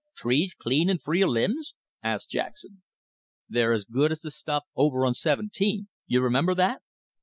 "Trees clean an' free of limbs?" asked Jackson. "They're as good as the stuff over on seventeen; you remember that."